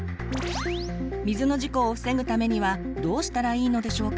水の事故を防ぐためにはどうしたらいいのでしょうか？